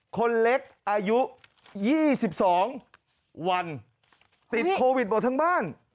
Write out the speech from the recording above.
คนเล็กอายุ๒๒วันติดโควิดหมดทั้งบ้าน